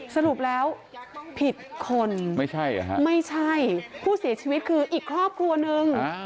สรุปแล้วผิดคนไม่ใช่ผู้เสียชีวิตคืออีกครอบครัวหนึ่ง